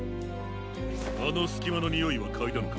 あのすきまのにおいはかいだのか？